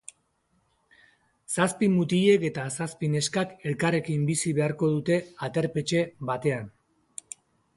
Zazpi mutilek eta zazpi neskak elkarrekin bizi beharko dute aterpetxe batean.